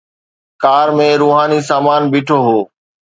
ڪار ۾ روحاني سامان بيٺو هو.